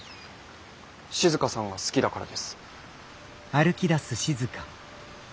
静さんが好きだからです。